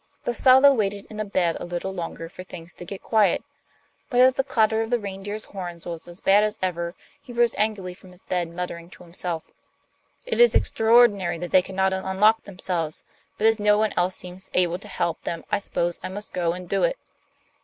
The Stalo waited in bed a little longer for things to get quiet, but as the clatter of the reindeer's horns was as bad as ever, he rose angrily from his bed muttering to himself: 'It is extraordinary that they cannot unlock themselves; but as no one else seems able to help them I suppose I must go and do it.